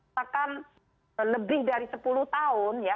bahkan lebih dari sepuluh tahun ya